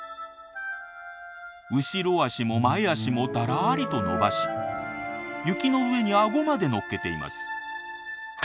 後ろ足も前足もだらりと伸ばし雪の上にアゴまで乗っけています。